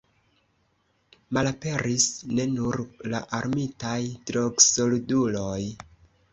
Malaperis ne nur la armitaj drogsolduloj.